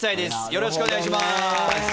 よろしくお願いします。